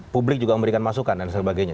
publik juga memberikan masukan dan sebagainya